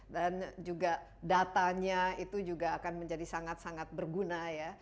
dan juga datanya itu juga akan menjadi sangat sangat berguna ya